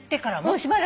しばらく。